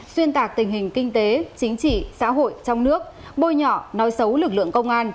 xuyên tạc tình hình kinh tế chính trị xã hội trong nước bôi nhỏ nói xấu lực lượng công an